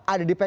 ada di depan